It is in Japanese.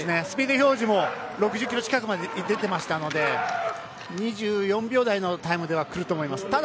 スピード表示も６０キロ近くまで出ていましたので２４秒台のタイムでは来ると思います。